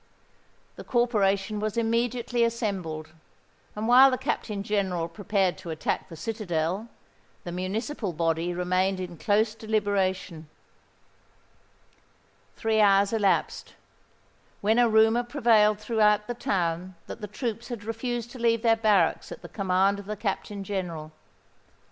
The corporation was immediately assembled; and while the Captain General prepared to attack the citadel, the municipal body remained in close deliberation. Three hours elapsed; when a rumour prevailed throughout the town that the troops had refused to leave their barracks at the command of the Captain General.